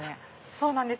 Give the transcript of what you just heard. そうなんです。